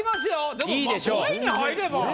でも５位に入れば。